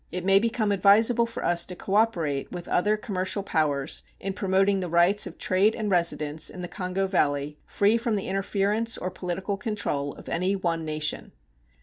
It may become advisable for us to cooperate with other commercial powers in promoting the rights of trade and residence in the Kongo Valley free from the interference or political control of any one nation.